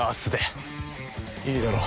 いいだろう。